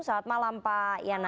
selamat malam pak yana